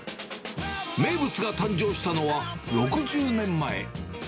名物が誕生したのは、６０年前。